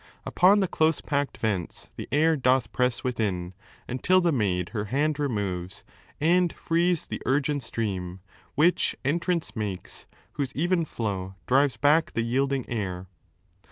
Upon the close packed vents the air doth press Within, until the maid her hand removes And frees the urgent stream, which entrance makes, Whose even flow drives back the yielding air.